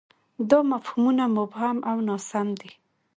دا مفهومونه مبهم او ناسم دي.